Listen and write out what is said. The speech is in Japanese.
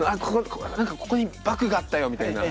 「何かここにバッグがあったよ」みたいな。